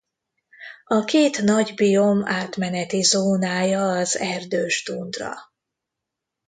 A két nagy biom átmeneti zónája az erdős tundra.